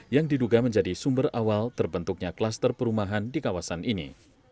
yang diduga menjadi sumber awal terbentuknya kluster perumahan di kawasan ini